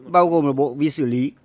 bao gồm một bộ ví xử lý